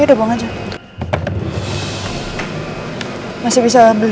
ya udah buang aja ya masih bisa beli kan seratus biji seribu